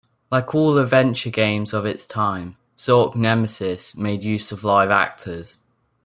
Like other adventure games of its time, "Zork Nemesis" made use of live actors.